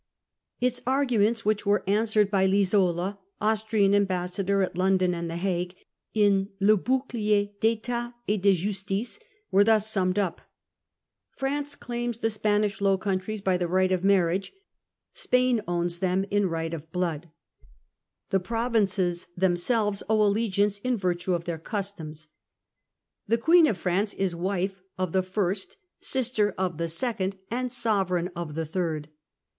Its arguments, which and^i'ouc were answere< * by Lisola, Austrian ambassador lierd'Etatet at London and the Hague, in *Le Bouclier de justice.' d'etat et de Justice/ were .thus summed up: 1 France claims the Spanish Low Countries by the right of marriage; Spain owns them in right of blood; the provinces themselves owe allegiance in virtue of their customs. The Queen of France is wife of the first, sister of the second, and sovereign of the third.